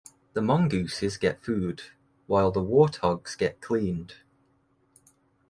The mongooses get food, while the warthogs get cleaned.